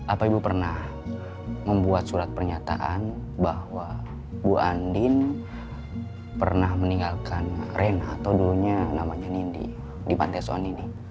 apa ibu pernah membuat surat pernyataan bahwa bu andin pernah meninggalkan rena atau dulunya namanya nindi di pantai soan ini